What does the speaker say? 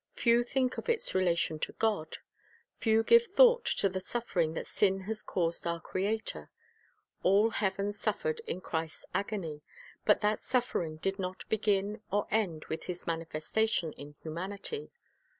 Few think of its relation to God. Few give thought to the suffering that sin has caused our Creator. All heaven suffered in Christ's agony; but that suffering did not begin or end with His manifestation in humanity.